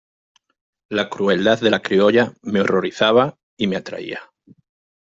la crueldad de la criolla me horrorizaba y me atraía: